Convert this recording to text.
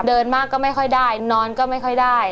เดินมากก็ไม่ค่อยได้นอนก็ไม่ค่อยได้